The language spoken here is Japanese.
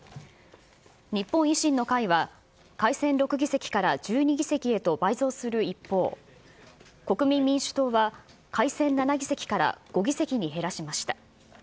日本維新の会は改選６議席から１２議席へと倍増する一方、国民民主党は改選７議席から５議席に減らしました。